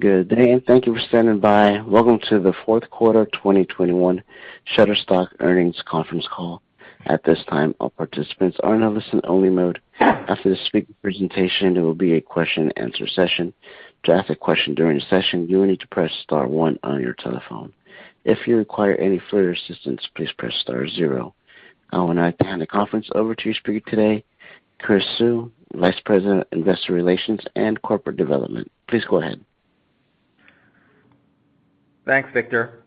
Good day, and thank you for standing by. Welcome to the fourth quarter of 2021 Shutterstock Earnings Conference Call. At this time, all participants are in a listen only mode. After the speaker presentation, there will be a question and answer session. To ask a question during the session, you will need to press star one on your telephone. If you require any further assistance, please press star zero. I would like to hand the conference over to your speaker today, Chris Suh, Vice President, Investor Relations and Corporate Development. Please go ahead. Thanks, Victor.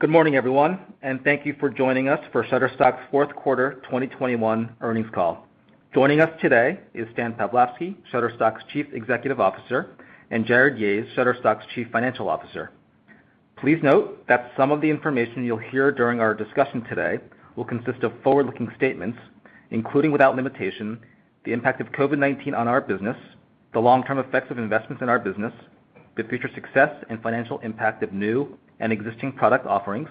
Good morning, everyone, and thank you for joining us for Shutterstock's fourth quarter 2021 earnings call. Joining us today is Stan Pavlovsky, Shutterstock's Chief Executive Officer, and Jarrod Yahes, Shutterstock's Chief Financial Officer. Please note that some of the information you'll hear during our discussion today will consist of forward-looking statements, including, without limitation, the impact of COVID-19 on our business, the long term effects of investments in our business, the future success and financial impact of new and existing product offerings,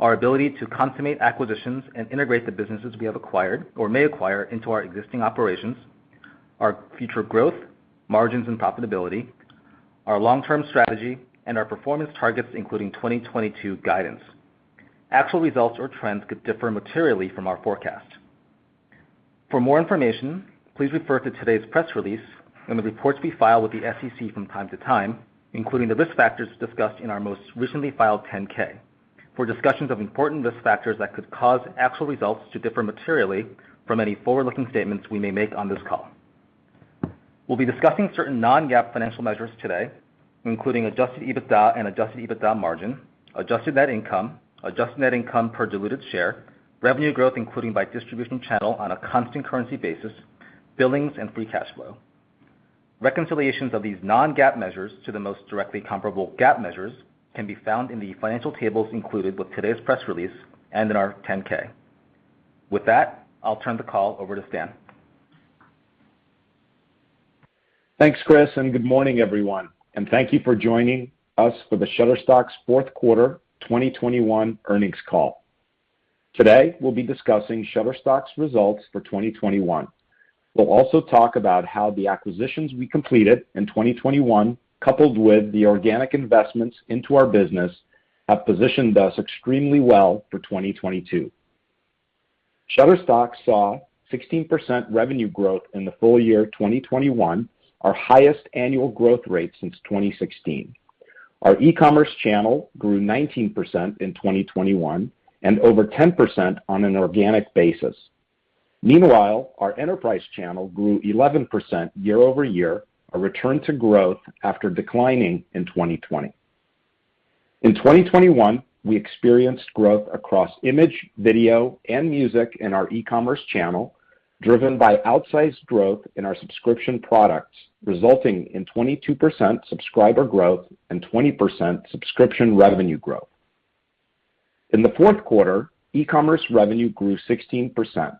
our ability to consummate acquisitions and integrate the businesses we have acquired or may acquire into our existing operations, our future growth, margins and profitability, our long term strategy, and our performance targets, including 2022 guidance. Actual results or trends could differ materially from our forecast. For more information, please refer to today's press release and the reports we file with the SEC from time to time, including the risk factors discussed in our most recently filed 10-K for discussions of important risk factors that could cause actual results to differ materially from any forward-looking statements we may make on this call. We'll be discussing certain non-GAAP financial measures today, including adjusted EBITDA and adjusted EBITDA margin, adjusted net income, adjusted net income per diluted share, revenue growth, including by distribution channel on a constant currency basis, billings and free cash flow. Reconciliations of these non-GAAP measures to the most directly comparable GAAP measures can be found in the financial tables included with today's press release and in our 10-K. With that, I'll turn the call over to Stan. Thanks, Chris, and good morning, everyone, and thank you for joining us for Shutterstock's fourth quarter 2021 earnings call. Today we'll be discussing Shutterstock's results for 2021. We'll also talk about how the acquisitions we completed in 2021, coupled with the organic investments into our business, have positioned us extremely well for 2022. Shutterstock saw 16% revenue growth in the full year 2021, our highest annual growth rate since 2016. Our e-commerce channel grew 19% in 2021 and over 10% on an organic basis. Meanwhile, our enterprise channel grew 11% year-over-year, a return to growth after declining in 2020. In 2021, we experienced growth across image, video, and music in our e-commerce channel, driven by outsized growth in our subscription products, resulting in 22% subscriber growth and 20% subscription revenue growth. In the fourth quarter, e-commerce revenue grew 16%.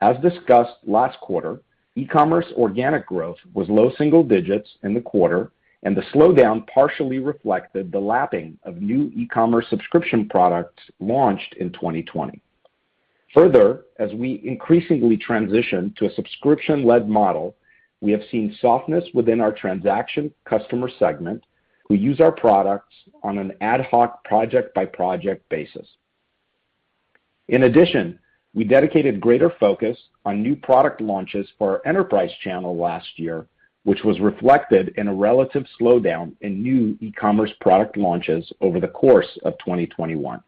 As discussed last quarter, e-commerce organic growth was low single digits in the quarter and the slowdown partially reflected the lapping of new e-commerce subscription products launched in 2020. Further, as we increasingly transition to a subscription-led model, we have seen softness within our transaction customer segment who use our products on an ad hoc project by project basis. In addition, we dedicated greater focus on new product launches for our enterprise channel last year, which was reflected in a relative slowdown in new e-commerce product launches over the course of 2021.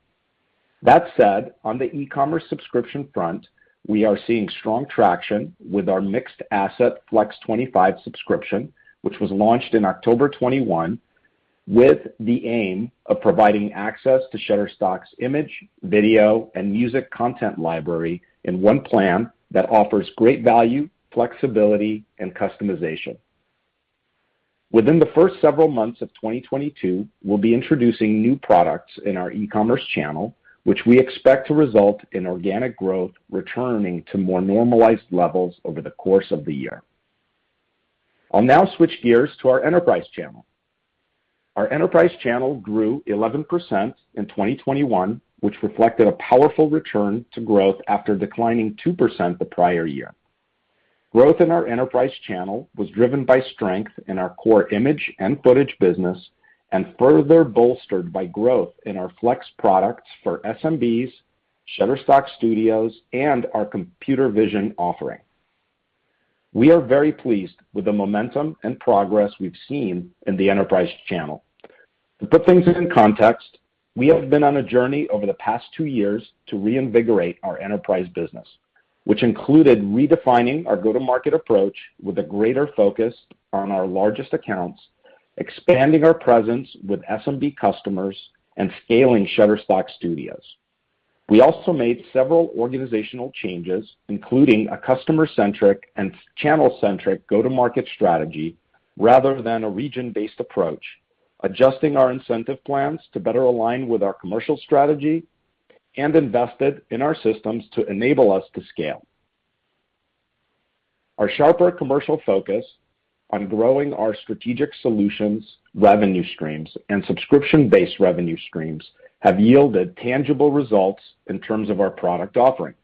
That said, on the e-commerce subscription front, we are seeing strong traction with our mixed asset FLEX 25 subscription, which was launched in October 2021 with the aim of providing access to Shutterstock's image, video, and music content library in one plan that offers great value, flexibility and customization. Within the first several months of 2022, we'll be introducing new products in our e-commerce channel which we expect to result in organic growth returning to more normalized levels over the course of the year. I'll now switch gears to our enterprise channel. Our enterprise channel grew 11% in 2021, which reflected a powerful return to growth after declining 2% the prior year. Growth in our enterprise channel was driven by strength in our core image and footage business and further bolstered by growth in our FLEX products for SMBs, Shutterstock Studios and our computer vision offering. We are very pleased with the momentum and progress we've seen in the enterprise channel. To put things into context, we have been on a journey over the past two years to reinvigorate our enterprise business, which included redefining our go-to-market approach with a greater focus on our largest accounts, expanding our presence with SMB customers, and scaling Shutterstock Studios. We also made several organizational changes, including a customer-centric and channel-centric go-to-market strategy rather than a region-based approach, adjusting our incentive plans to better align with our commercial strategy and invested in our systems to enable us to scale. Our sharper commercial focus on growing our strategic solutions revenue streams and subscription-based revenue streams have yielded tangible results in terms of our product offering.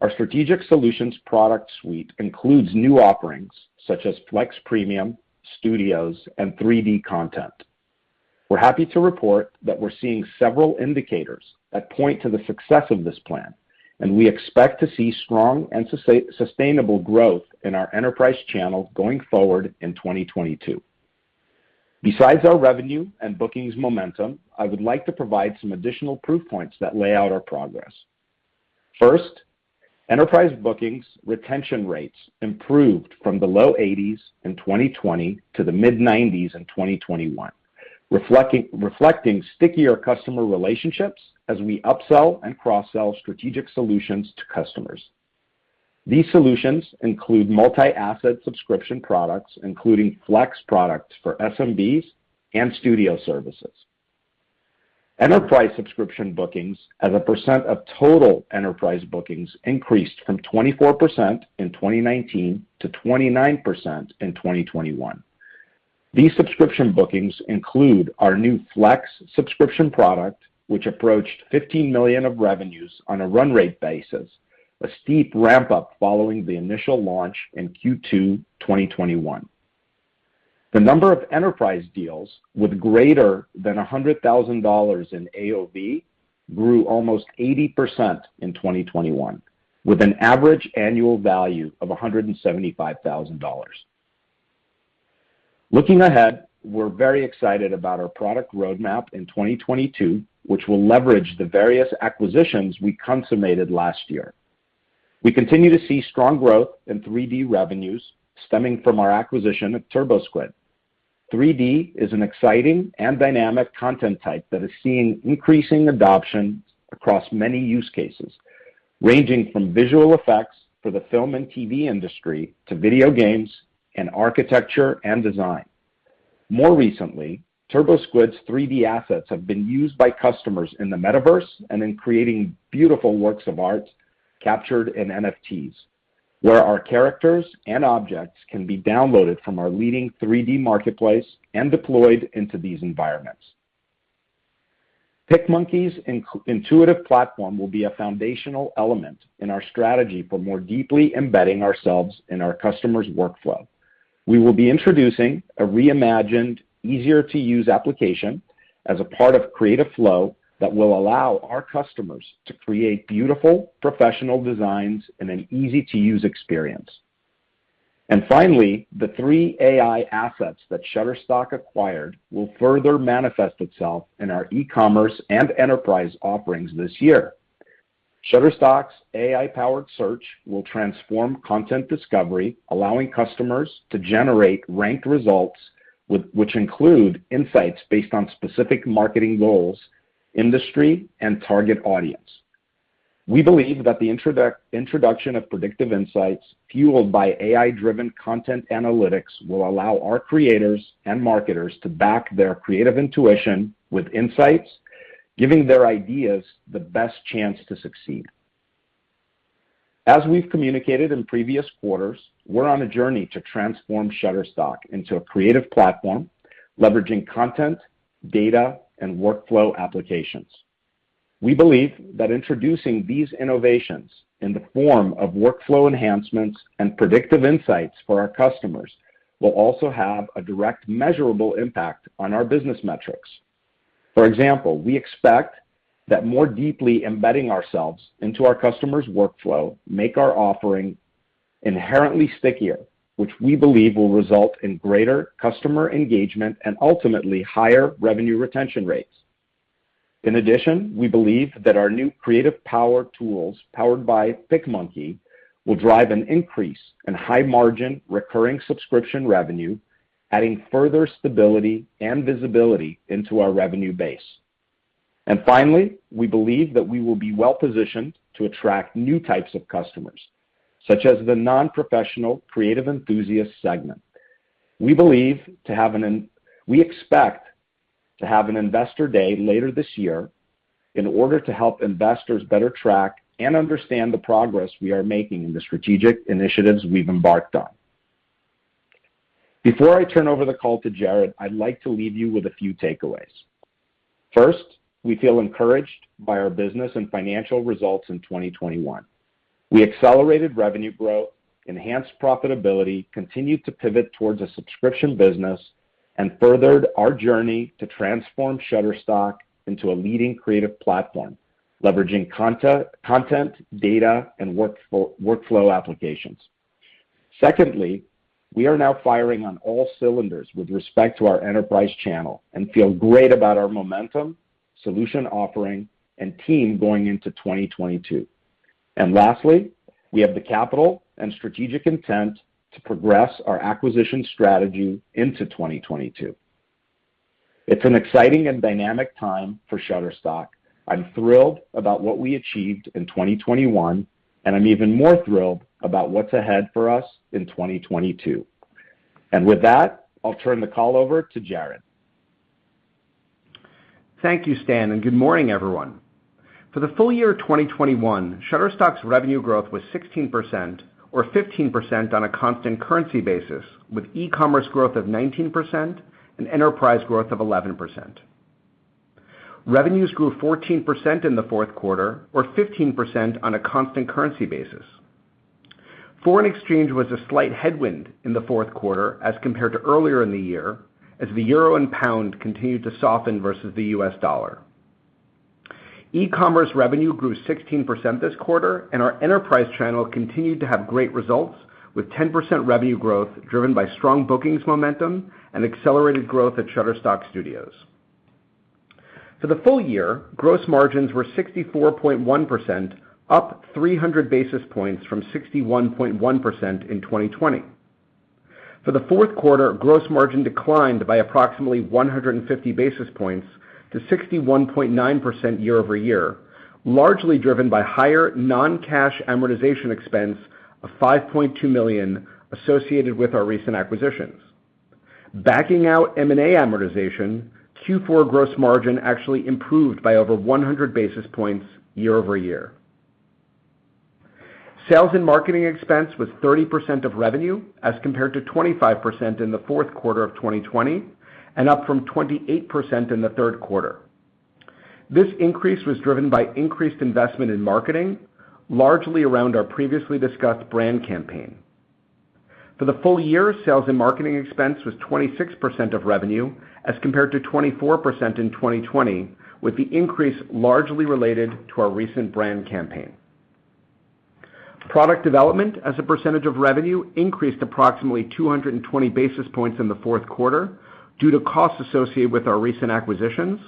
Our strategic solutions product suite includes new offerings such as FLEX Premium, Studios, and 3D content. We're happy to report that we're seeing several indicators that point to the success of this plan, and we expect to see strong and sustainable growth in our enterprise channel going forward in 2022. Besides our revenue and bookings momentum, I would like to provide some additional proof points that lay out our progress. First, enterprise bookings retention rates improved from the low 80s% in 2020 to the mid-90s% in 2021, reflecting stickier customer relationships as we upsell and cross-sell strategic solutions to customers. These solutions include multi-asset subscription products, including FLEX products for SMBs and Studio services. Enterprise subscription bookings as a percent of total enterprise bookings increased from 24% in 2019 to 29% in 2021. These subscription bookings include our new Flex subscription product, which approached $15 million of revenues on a run rate basis, a steep ramp-up following the initial launch in Q2 2021. The number of enterprise deals with greater than $100,000 in AOV grew almost 80% in 2021, with an average annual value of $175,000. Looking ahead, we're very excited about our product roadmap in 2022, which will leverage the various acquisitions we consummated last year. We continue to see strong growth in 3D revenues stemming from our acquisition of TurboSquid. 3D is an exciting and dynamic content type that is seeing increasing adoption across many use cases, ranging from visual effects for the film and TV industry to video games and architecture and design. More recently, TurboSquid's 3D assets have been used by customers in the metaverse and in creating beautiful works of art captured in NFTs, where our characters and objects can be downloaded from our leading 3D marketplace and deployed into these environments. PicMonkey's intuitive platform will be a foundational element in our strategy for more deeply embedding ourselves in our customers' workflow. We will be introducing a reimagined, easier-to-use application as a part of Creative Flow that will allow our customers to create beautiful, professional designs in an easy-to-use experience. Finally, the three AI assets that Shutterstock acquired will further manifest itself in our e-commerce and enterprise offerings this year. Shutterstock's AI-powered search will transform content discovery, allowing customers to generate ranked results, which include insights based on specific marketing goals, industry, and target audience. We believe that the introduction of predictive insights fueled by AI-driven content analytics will allow our creators and marketers to back their creative intuition with insights, giving their ideas the best chance to succeed. As we've communicated in previous quarters, we're on a journey to transform Shutterstock into a creative platform leveraging content, data, and workflow applications. We believe that introducing these innovations in the form of workflow enhancements and predictive insights for our customers will also have a direct measurable impact on our business metrics. For example, we expect that more deeply embedding ourselves into our customers' workflow make our offering inherently stickier, which we believe will result in greater customer engagement and ultimately higher revenue retention rates. In addition, we believe that our new creative power tools powered by PicMonkey will drive an increase in high margin recurring subscription revenue, adding further stability and visibility into our revenue base. Finally, we believe that we will be well positioned to attract new types of customers, such as the non-professional creative enthusiast segment. We expect to have an investor day later this year in order to help investors better track and understand the progress we are making in the strategic initiatives we've embarked on. Before I turn over the call to Jarrod, I'd like to leave you with a few takeaways. First, we feel encouraged by our business and financial results in 2021. We accelerated revenue growth, enhanced profitability, continued to pivot towards a subscription business, and furthered our journey to transform Shutterstock into a leading creative platform, leveraging content, data, and workflow applications. Secondly, we are now firing on all cylinders with respect to our enterprise channel and feel great about our momentum, solution offering, and team going into 2022. Lastly, we have the capital and strategic intent to progress our acquisition strategy into 2022. It's an exciting and dynamic time for Shutterstock. I'm thrilled about what we achieved in 2021, and I'm even more thrilled about what's ahead for us in 2022. With that, I'll turn the call over to Jarrod. Thank you, Stan, and good morning, everyone. For the full year 2021, Shutterstock's revenue growth was 16% or 15% on a constant currency basis, with e-commerce growth of 19% and enterprise growth of 11%. Revenues grew 14% in the fourth quarter or 15% on a constant currency basis. Foreign exchange was a slight headwind in the fourth quarter as compared to earlier in the year, as the euro and pound continued to soften versus the U.S. dollar. E-commerce revenue grew 16% this quarter, and our enterprise channel continued to have great results with 10% revenue growth driven by strong bookings momentum and accelerated growth at Shutterstock Studios. For the full year, gross margins were 64.1%, up 300 basis points from 61.1% in 2020. For the fourth quarter, gross margin declined by approximately 150 basis points to 61.9% year-over-year, largely driven by higher non-cash amortization expense of $5.2 million associated with our recent acquisitions. Backing out M&A amortization, Q4 gross margin actually improved by over 100 basis points year-over-year. Sales and marketing expense was 30% of revenue as compared to 25% in the fourth quarter of 2020, and up from 28% in the third quarter. This increase was driven by increased investment in marketing, largely around our previously discussed brand campaign. For the full year, sales and marketing expense was 26% of revenue as compared to 24% in 2020, with the increase largely related to our recent brand campaign. Product development as a percentage of revenue increased approximately 220 basis points in the fourth quarter due to costs associated with our recent acquisitions,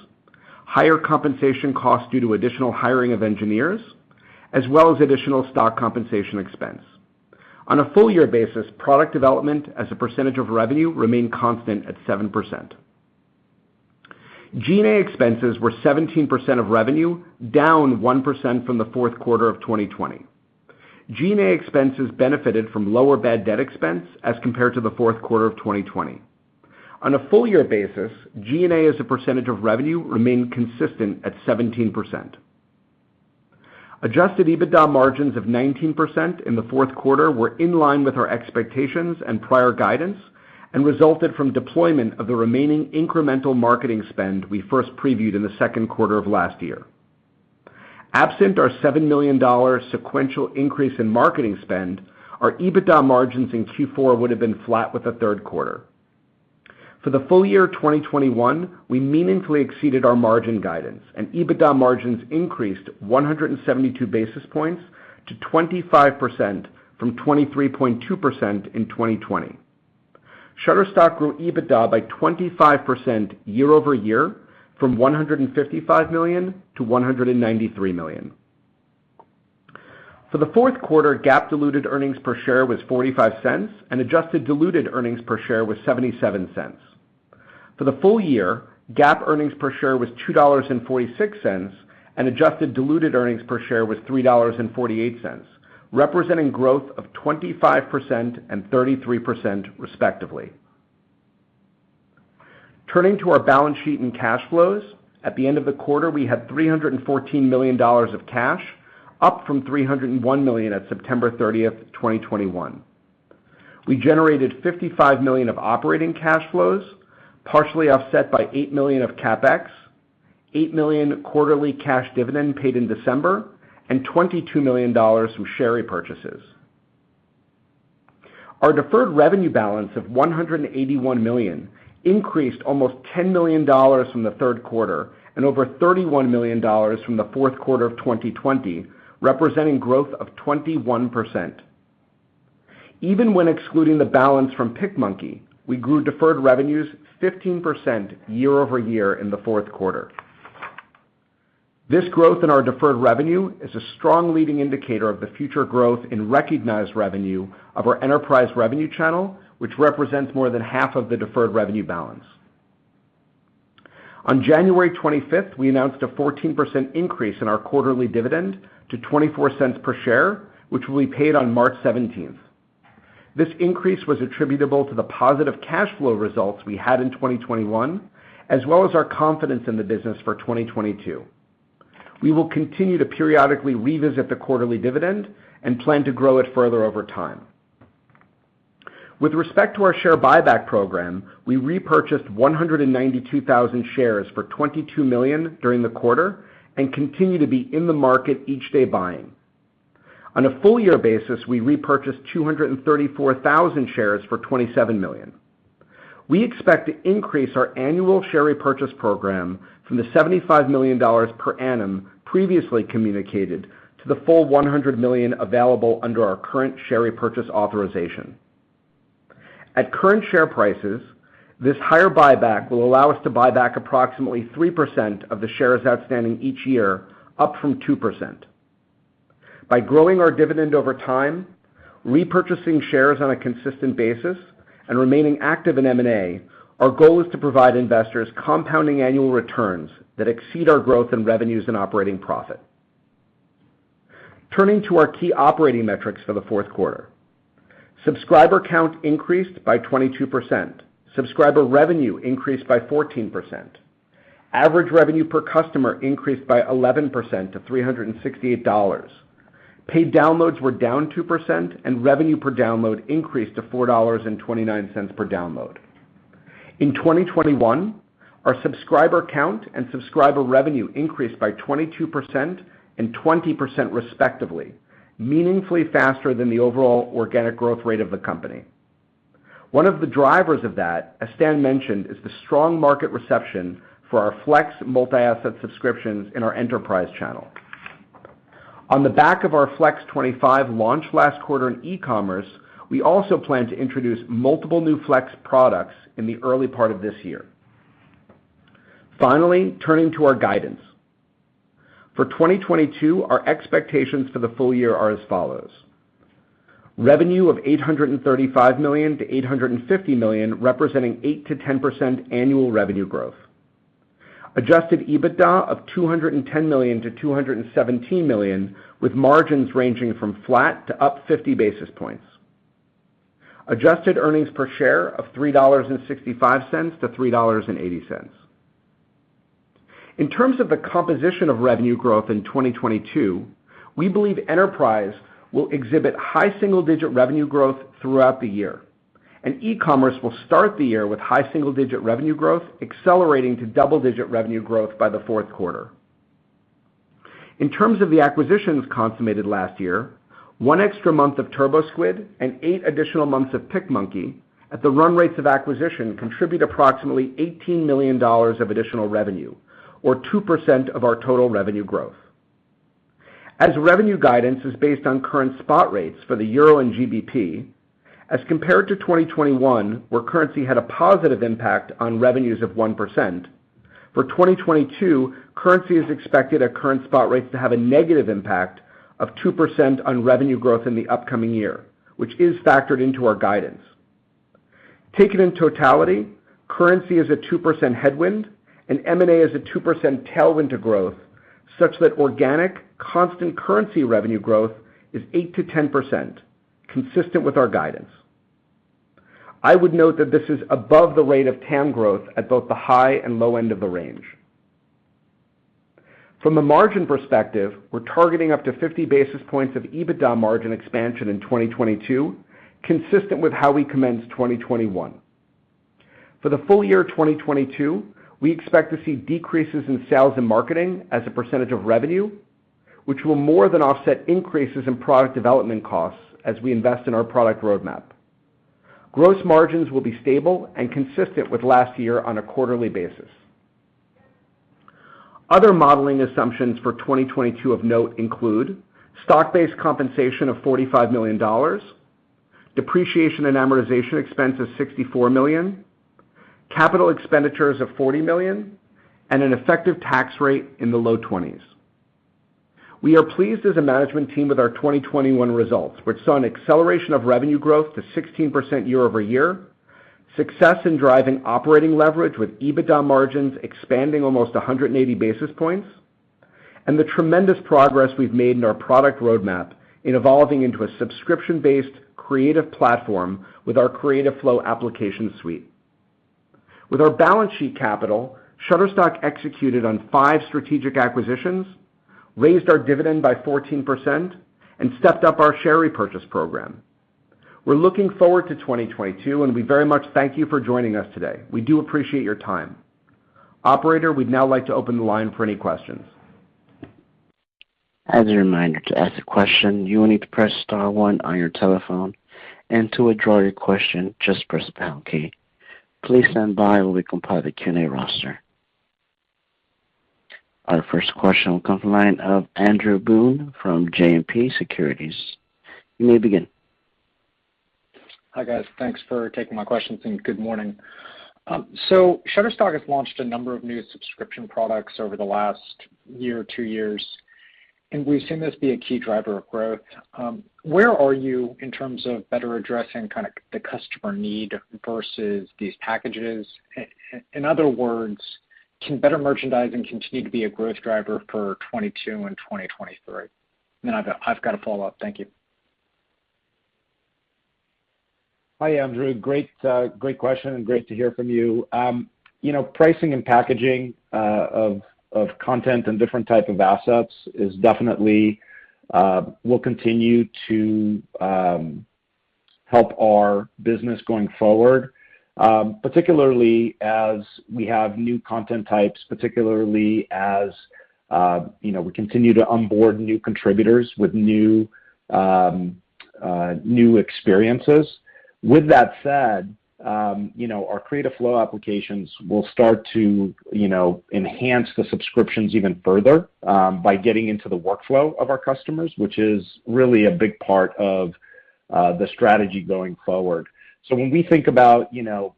higher compensation costs due to additional hiring of engineers, as well as additional stock compensation expense. On a full year basis, product development as a percentage of revenue remained constant at 7%. G&A expenses were 17% of revenue, down 1% from the fourth quarter of 2020. G&A expenses benefited from lower bad debt expense as compared to the fourth quarter of 2020. On a full year basis, G&A as a percentage of revenue remained consistent at 17%. Adjusted EBITDA margins of 19% in the fourth quarter were in line with our expectations and prior guidance and resulted from deployment of the remaining incremental marketing spend we first previewed in the second quarter of last year. Absent our $7 million sequential increase in marketing spend, our EBITDA margins in Q4 would have been flat with the third quarter. For the full year 2021, we meaningfully exceeded our margin guidance and EBITDA margins increased 172 basis points to 25% from 23.2% in 2020. Shutterstock grew EBITDA by 25% year-over-year from $155 million to $193 million. For the fourth quarter, GAAP diluted earnings per share was $0.45 and adjusted diluted earnings per share was $0.77. For the full year, GAAP earnings per share was $2.46, and adjusted diluted earnings per share was $3.48, representing growth of 25% and 33% respectively. Turning to our balance sheet and cash flows. At the end of the quarter, we had $314 million of cash, up from $301 million at September 30, 2021. We generated $55 million of operating cash flows, partially offset by $8 million of CapEx, $8 million quarterly cash dividend paid in December, and $22 million from share repurchases. Our deferred revenue balance of $181 million increased almost $10 million from the third quarter and over $31 million from the fourth quarter of 2020, representing growth of 21%. Even when excluding the balance from PicMonkey, we grew deferred revenues 15% year-over-year in the fourth quarter. This growth in our deferred revenue is a strong leading indicator of the future growth in recognized revenue of our enterprise revenue channel, which represents more than half of the deferred revenue balance. On January 25, we announced a 14% increase in our quarterly dividend to $0.24 per share, which will be paid on March 17. This increase was attributable to the positive cash flow results we had in 2021, as well as our confidence in the business for 2022. We will continue to periodically revisit the quarterly dividend and plan to grow it further over time. With respect to our share buyback program, we repurchased 192,000 shares for $22 million during the quarter and continue to be in the market each day buying. On a full year basis, we repurchased 0.234 million shares for $27 million. We expect to increase our annual share repurchase program from the $75 million per annum previously communicated to the full $100 million available under our current share repurchase authorization. At current share prices, this higher buyback will allow us to buy back approximately 3% of the shares outstanding each year, up from 2%. By growing our dividend over time, repurchasing shares on a consistent basis, and remaining active in M&A, our goal is to provide investors compounding annual returns that exceed our growth in revenues and operating profit. Turning to our key operating metrics for the fourth quarter. Subscriber count increased by 22%. Subscriber revenue increased by 14%. Average revenue per customer increased by 11% to $368. Paid downloads were down 2% and revenue per download increased to $4.29 per download. In 2021, our subscriber count and subscriber revenue increased by 22% and 20% respectively, meaningfully faster than the overall organic growth rate of the company. One of the drivers of that, as Stan mentioned, is the strong market reception for our FLEX multi-asset subscriptions in our enterprise channel. On the back of our EQ Flex v25 launch last quarter in e-commerce, we also plan to introduce multiple new FLEX products in the early part of this year. Finally, turning to our guidance. For 2022, our expectations for the full year are as follows. Revenue of $835 million-$850 million, representing 8%-10% annual revenue growth. Adjusted EBITDA of $210 million-$217 million, with margins ranging from flat to up 50 basis points. Adjusted earnings per share of $3.65-$3.80. In terms of the composition of revenue growth in 2022, we believe enterprise will exhibit high single digit revenue growth throughout the year, and e-commerce will start the year with high single digit revenue growth, accelerating to double-digit revenue growth by the fourth quarter. In terms of the acquisitions consummated last year, one extra month of TurboSquid and eight additional months of PicMonkey at the run rates of acquisition contribute approximately $18 million of additional revenue or 2% of our total revenue growth. As revenue guidance is based on current spot rates for the euro and GBP, as compared to 2021, where currency had a positive impact on revenues of 1%, for 2022, currency is expected at current spot rates to have a negative impact of 2% on revenue growth in the upcoming year, which is factored into our guidance. Taken in totality, currency is a 2% headwind and M&A is a 2% tailwind to growth, such that organic constant currency revenue growth is 8%-10%, consistent with our guidance. I would note that this is above the rate of TAM growth at both the high and low end of the range. From a margin perspective, we're targeting up to 50 basis points of EBITDA margin expansion in 2022, consistent with how we commenced 2021. For the full year 2022, we expect to see decreases in sales and marketing as a percentage of revenue, which will more than offset increases in product development costs as we invest in our product roadmap. Gross margins will be stable and consistent with last year on a quarterly basis. Other modeling assumptions for 2022 of note include stock-based compensation of $45 million, depreciation and amortization expense of $64 million, capital expenditures of $40 million, and an effective tax rate in the low 20%s. We are pleased as a management team with our 2021 results, which saw an acceleration of revenue growth to 16% year-over-year, success in driving operating leverage with EBITDA margins expanding almost 180 basis points, and the tremendous progress we've made in our product roadmap in evolving into a subscription-based creative platform with our Creative Flow application suite. With our balance sheet capital, Shutterstock executed on five strategic acquisitions, raised our dividend by 14%, and stepped up our share repurchase program. We're looking forward to 2022, and we very much thank you for joining us today. We do appreciate your time. Operator, we'd now like to open the line for any questions. As a reminder, to ask a question, you will need to press star one on your telephone, and to withdraw your question, just press the pound key. Please stand by while we compile the Q&A roster. Our first question will come from the line of Andrew Boone from JMP Securities. You may begin. Hi, guys. Thanks for taking my questions, and good morning. Shutterstock has launched a number of new subscription products over the last year or two years, and we've seen this be a key driver of growth. Where are you in terms of better addressing kind of the customer need versus these packages? In other words, can better merchandising continue to be a growth driver for 2022 and 2023? I've got a follow-up. Thank you. Hi, Andrew. Great, great question, and great to hear from you. You know, pricing and packaging of content and different type of assets will continue to help our business going forward, particularly as we have new content types, particularly as you know, we continue to onboard new contributors with new experiences. With that said, you know, our Creative Flow applications will start to enhance the subscriptions even further by getting into the workflow of our customers, which is really a big part of the strategy going forward. When we think about you know,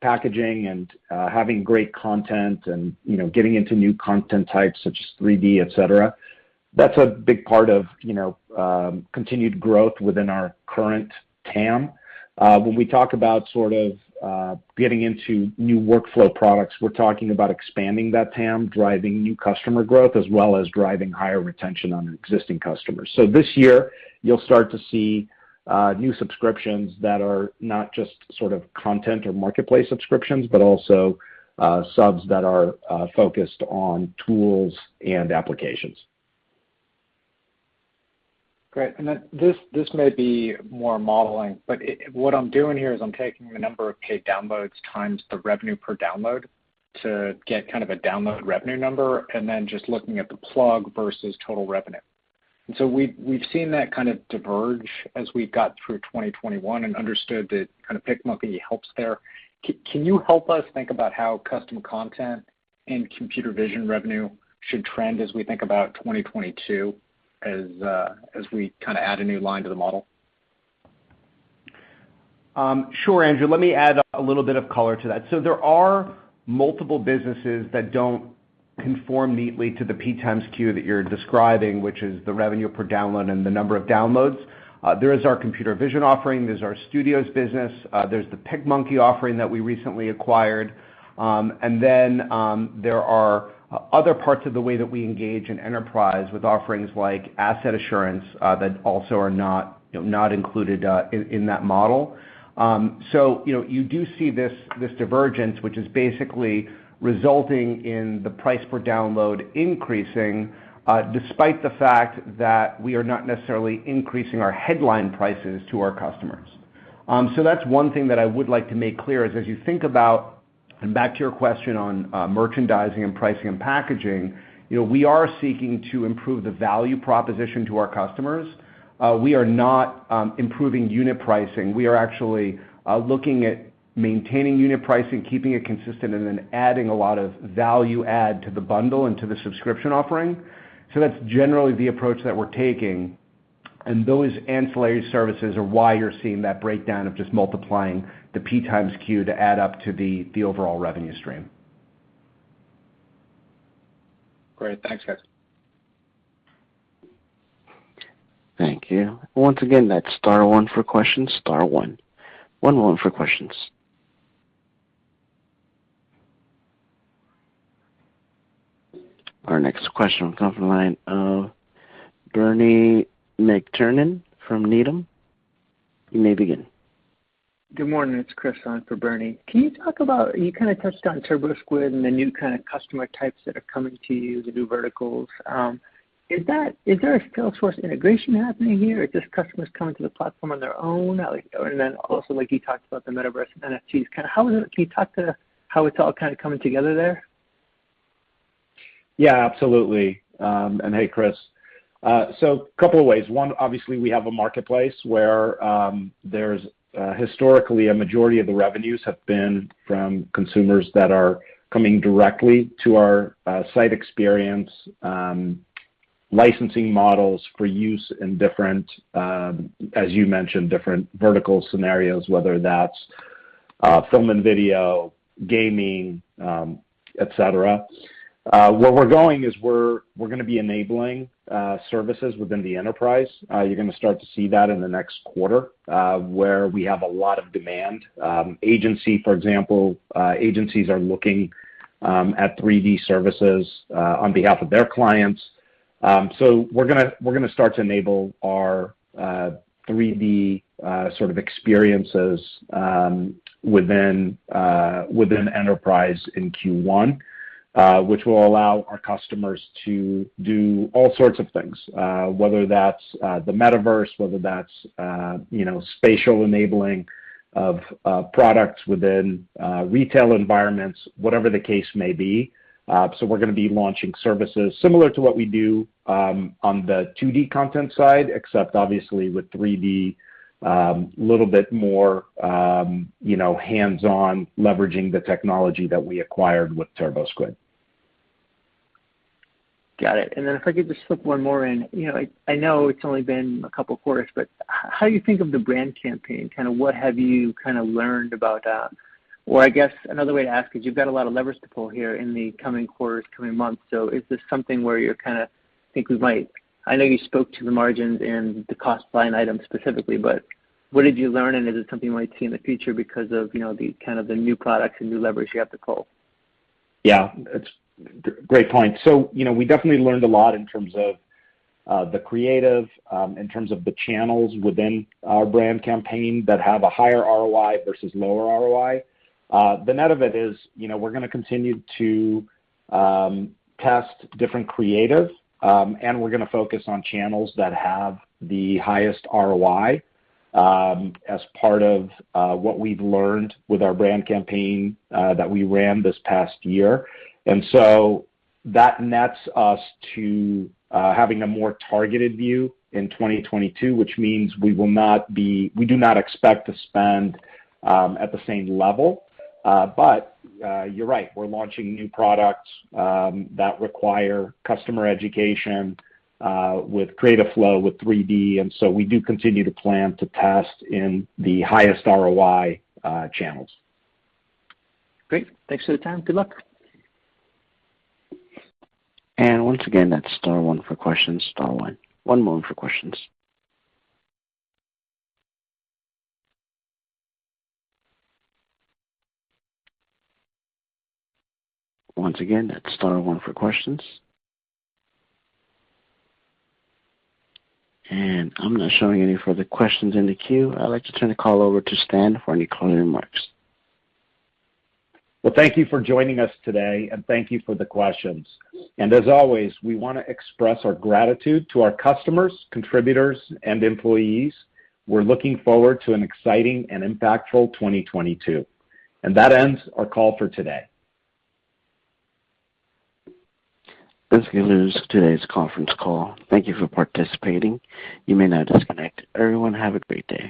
packaging and having great content and you know, getting into new content types such as 3D, et cetera, that's a big part of continued growth within our current TAM. When we talk about sort of getting into new workflow products, we're talking about expanding that TAM, driving new customer growth, as well as driving higher retention on existing customers. This year, you'll start to see new subscriptions that are not just sort of content or marketplace subscriptions, but also subs that are focused on tools and applications. Great. Then this may be more modeling, but what I'm doing here is I'm taking the number of paid downloads times the revenue per download to get kind of a download revenue number and then just looking at the plug versus total revenue. We've seen that kind of diverge as we got through 2021 and understood that kind of PicMonkey helps there. Can you help us think about how custom content and computer vision revenue should trend as we think about 2022 as we kinda add a new line to the model? Sure, Andrew. Let me add a little bit of color to that. There are multiple businesses that don't conform neatly to the PxQ that you're describing, which is the revenue per download and the number of downloads. There is our computer vision offering, there's our Studios business, there's the PicMonkey offering that we recently acquired. There are other parts of the way that we engage in enterprise with offerings like Asset Assurance, that also are not, you know, not included in that model. You know, you do see this divergence, which is basically resulting in the price per download increasing, despite the fact that we are not necessarily increasing our headline prices to our customers. That's one thing that I would like to make clear is as you think about, and back to your question on merchandising and pricing and packaging, you know, we are seeking to improve the value proposition to our customers. We are not improving unit pricing. We are actually looking at maintaining unit pricing, keeping it consistent, and then adding a lot of value add to the bundle and to the subscription offering. That's generally the approach that we're taking, and those ancillary services are why you're seeing that breakdown of just multiplying the PxQ to add up to the overall revenue stream. Great. Thanks, guys. Thank you. Once again, that's star one for questions, star one. One more for questions. Our next question will come from the line of Bernie McTernan from Needham. You may begin. Good morning. It's Chris on for Bernie. Can you talk about you kinda touched on TurboSquid and the new kinda customer types that are coming to you, the new verticals. Is there a Salesforce integration happening here, or are customers just coming to the platform on their own? Like, or, and then also, like, you talked about the metaverse and NFTs. Kinda how is it. Can you talk to how it's all kinda coming together there? Yeah, absolutely. Hey, Chris. Couple of ways. One, obviously we have a marketplace where there's historically a majority of the revenues have been from consumers that are coming directly to our site experience, licensing models for use in different, as you mentioned, different vertical scenarios, whether that's film and video, gaming, et cetera. Where we're going is we're gonna be enabling services within the enterprise. You're gonna start to see that in the next quarter, where we have a lot of demand. Agency, for example, agencies are looking at 3D services on behalf of their clients. We're gonna start to enable our 3D sort of experiences within enterprise in Q1, which will allow our customers to do all sorts of things, whether that's the metaverse, whether that's, you know, spatial enabling of products within retail environments, whatever the case may be. We're gonna be launching services similar to what we do on the 2D content side, except obviously with 3D, a little bit more, you know, hands-on leveraging the technology that we acquired with TurboSquid. Got it. If I could just slip one more in. You know, I know it's only been a couple quarters, but how do you think of the brand campaign? Kinda what have you kinda learned about that? Or I guess another way to ask is you've got a lot of levers to pull here in the coming quarters, coming months, so is this something where you're kinda think we might I know you spoke to the margins and the cost per item specifically, but what did you learn, and is it something you might see in the future because of, you know, the kind of the new products and new levers you have to pull? Yeah. It's a great point. You know, we definitely learned a lot in terms of the creative, in terms of the channels within our brand campaign that have a higher ROI versus lower ROI. The net of it is, you know, we're gonna continue to test different creative, and we're gonna focus on channels that have the highest ROI, as part of what we've learned with our brand campaign that we ran this past year. That nets us to having a more targeted view in 2022, which means we do not expect to spend at the same level. But you're right. We're launching new products that require customer education with Creative Flow with 3D, and so we do continue to plan to test in the highest ROI channels. Great. Thanks for the time. Good luck. Once again, that's star one for questions, star one. One more for questions. Once again, it's star one for questions. I'm not showing any further questions in the queue. I'd like to turn the call over to Stan for any closing remarks. Well, thank you for joining us today, and thank you for the questions. As always, we wanna express our gratitude to our customers, contributors, and employees. We're looking forward to an exciting and impactful 2022. That ends our call for today. This concludes today's conference call. Thank you for participating. You may now disconnect. Everyone, have a great day.